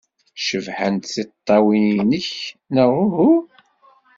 Cebḥent tiṭṭawin-nnek, neɣ uhu?